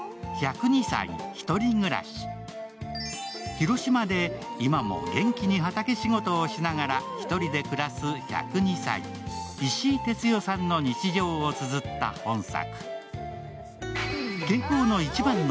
広島で今も元気に畑仕事をしながら１人で暮らす１０２歳、石井哲代さんの日常をつづった本作。